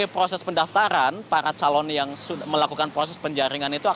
pdip jawa barat